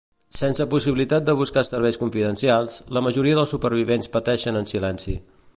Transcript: Sense possibilitat de buscar serveis confidencials, la majoria dels supervivents pateixen en silenci.